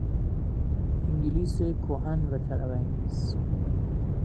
انگلیس کهن و طرب انگیز